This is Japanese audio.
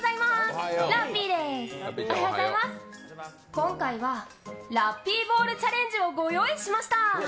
今回はラッピーボールチャレンジをご用意しました。